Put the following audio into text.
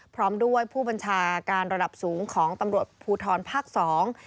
พร้อมด้วยผู้บัญชาการระดับสูงของตำรวจภูทรภาคสอง